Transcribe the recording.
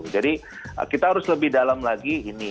jadi kita harus lebih dalam lagi ini